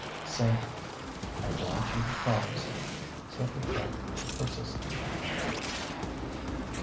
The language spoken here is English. "Cynthia, I want you to promise," said her friend, persistently.